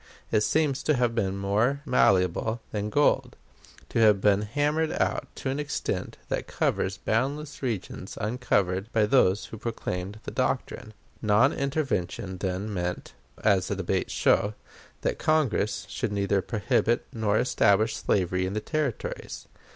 It seems to have been more malleable than gold; to have been hammered out to an extent that covers boundless regions undiscovered by those who proclaimed the doctrine. Non intervention then meant, as the debates show, that Congress should neither prohibit nor establish slavery in the Territories.